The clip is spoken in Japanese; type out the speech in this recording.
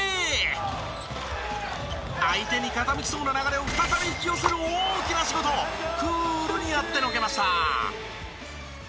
相手に傾きそうな流れを再び引き寄せる大きな仕事をクールにやってのけました。